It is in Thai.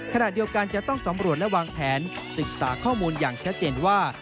ขณะเดียวกันจะต้องสำรวจและวางแผนศึกษาข้อมูลอย่างชัดเจนว่า